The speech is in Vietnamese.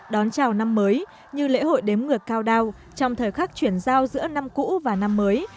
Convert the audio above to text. đón chào năm mới như lễ hội đếm ngược cao đao trong thời khắc chuyển giao giữa năm cũ và năm mới